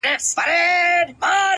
o د لېوني د ژوند سُر پر یو تال نه راځي،